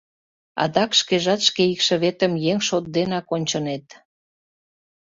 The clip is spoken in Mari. Адак шкежат шке икшыветым еҥ шот денак ончынет.